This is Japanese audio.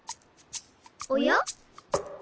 おや？